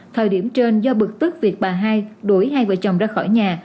thời điểm trên do bực tức việc bà hai đổi hai vợ chồng ra khỏi nhà